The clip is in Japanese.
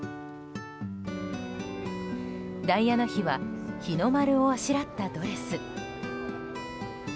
ダイアナ妃は日の丸をあしらったドレス。